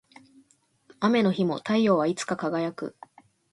雨の日も太陽はいつか輝く